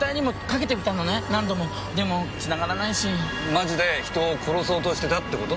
マジで人を殺そうとしてたって事？